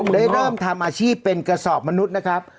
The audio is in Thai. ได้เริ่มทำอาชีพเป็นกระสอบมนุษย์นะครับ